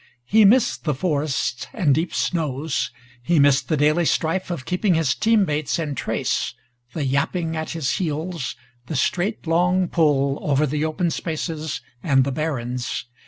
He missed the forests and deep snows. He missed the daily strife of keeping his team mates in trace, the yapping at his heels, the straight long pull over the open spaces and the barrens.